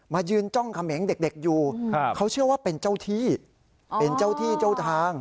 ยืนจ้องเขมงเด็กอยู่เขาเชื่อว่าเป็นเจ้าที่เป็นเจ้าที่เจ้าทาง